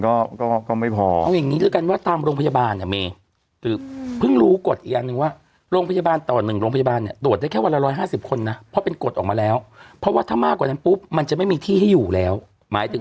ก็ก็ไม่พอเอาอย่างงี้ด้วยกันว่าตามโรงพยาบาลอะเมคือ